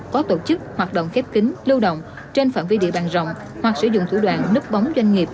có tổ chức hoạt động khép kính lưu động trên phạm vi địa bàn rộng hoặc sử dụng thủ đoạn nứp bóng doanh nghiệp